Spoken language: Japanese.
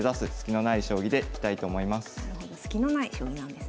なるほどスキのない将棋なんですね。